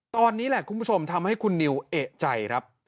ตอนนี้แหละคุณผู้ชมทำให้คุณนิวเอกใจครับ